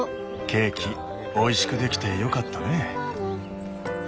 ケーキおいしくできてよかったね！